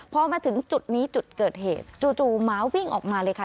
พอมาถึงจุดนี้จุดเกิดเหตุจู่หมาวิ่งออกมาเลยค่ะ